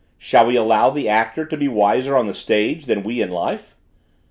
Shall we allow the actor to be wiser on the stage than we in life?"